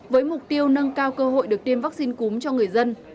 với mục tiêu nâng cao cơ hội được tiêm vaccine cúm cho người dân